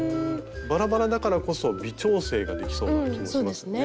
バラバラだからこそ微調整ができそうな気もしますよね。